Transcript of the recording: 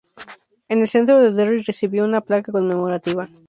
En el centro de Derry recibió una placa conmemorativa.